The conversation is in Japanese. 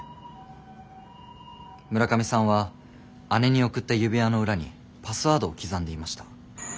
村上さんは姉に贈った指輪の裏にパスワードを刻んでいました。